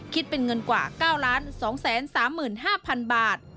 คิดเป็นเงินกว่า๙๒๓๕๐๐๐บาท